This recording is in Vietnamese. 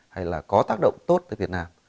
hay là có tác động tốt tới việt nam